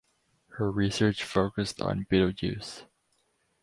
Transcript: Her research focussed on Betelgeuse.